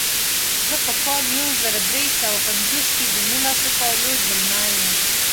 زه په کال یو زر درې سوه پنځوس کې د نولسو کالو ځلمی وم.